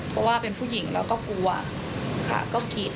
เพราะว่าเป็นผู้หญิงแล้วก็กลัวค่ะก็กรีด